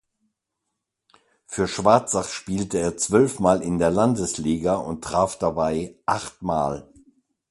Für Schwarzach spielte er zwölfmal in der "Landesliga" und traf dabei achtmal.